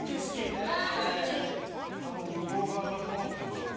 丘の向こう側がどうなってんだろ？